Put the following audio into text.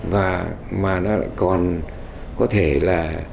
và mà nó còn có thể là